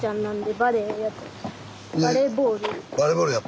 バレーボールやってんの。